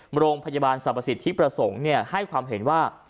โรงพยาบาลสรรพสิทธิประสงค์ให้ความเห็นว่า